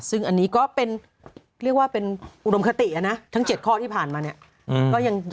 ซึ่งอันนี้ก็เป็นเรียกว่าเป็นอุดมคตินะทั้ง๗ข้อที่ผ่านมาเนี่ย